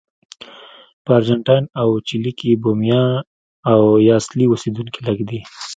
په ارجنټاین او چیلي کې بومیان یا اصلي اوسېدونکي لږ دي.